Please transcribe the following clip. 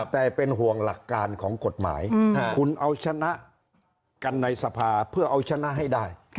แต่เป็นห่วงหลักการของกฎหมายคุณเอาชนะกันในสภาเพื่อเอาชนะให้ได้